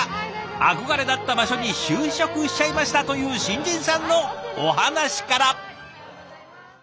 憧れだった場所に就職しちゃいましたという新人さんのお話から。